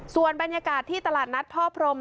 ส่วนบรรยากาศที่ตลาดนัดพ่อพรม